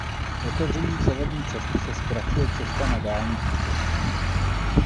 Otevřením severní cesty se zkracuje cesta na Dálný východ.